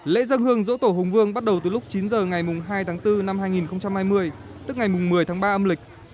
lễ dân hương dỗ tổ hùng vương bắt đầu từ lúc chín h ngày hai tháng bốn năm hai nghìn hai mươi tức ngày một mươi tháng ba âm lịch